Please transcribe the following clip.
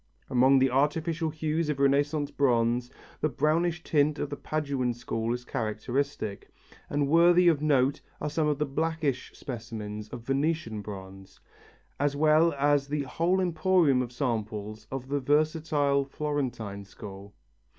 Among the artificial hues of Renaissance bronze, the brownish tint of the Paduan school is characteristic, and worthy of note are some of the blackish specimens of Venetian bronze, as well as the whole emporium of samples of the versatile Florentine school.